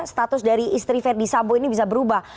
status dari istri ferdis sabo ini bisa berubah